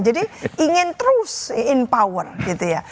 ingin terus empower gitu ya